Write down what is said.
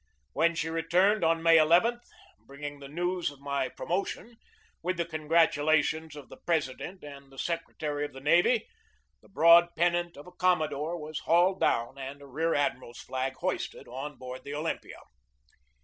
When she returned, on May n, bringing the news of my promotion, with the congratulations of the President and the secretary of the navy, the broad pennant of a commodore was hauled down and a rear admiral's flag hoisted on board the Olympia.